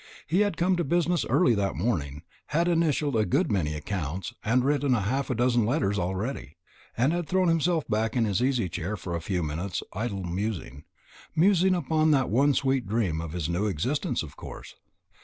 He had come to business early that morning, had initialed a good many accounts, and written half a dozen letters already, and had thrown himself back in his easy chair for a few minutes' idle musing musing upon that one sweet dream of his new existence, of course.